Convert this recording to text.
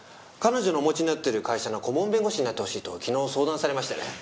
彼女のお持ちになっている会社の顧問弁護士になってほしいと昨日相談されましてね。